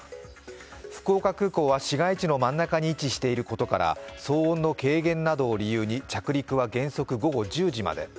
福岡空港は市街地の真ん中に位置していることから騒音の軽減などを理由に着陸は原則午後１０時まで。